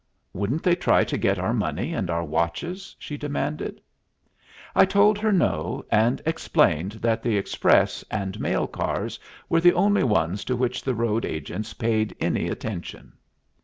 "Wouldn't they try to get our money and our watches?" she demanded. I told her no, and explained that the express and mail cars were the only ones to which the road agents paid any attention.